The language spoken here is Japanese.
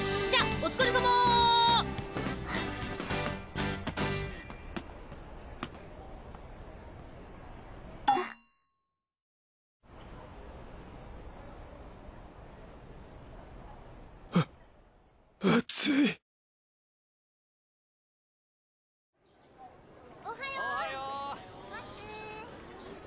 おっはよう！